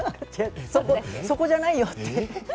そこじゃないよって。